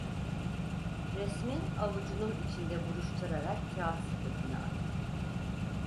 Resmi avucunun içinde buruşturarak kâğıt sepetine attı.